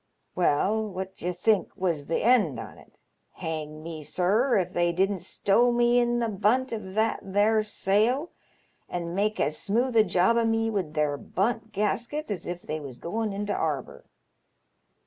Well, what d'ye think was th' end on it. Hang me, sir, if they didn't stow me in th* bunt of that there sail, and make as smooth a job o' me wid their bunt gaskets as if they was goin' into 'arbour.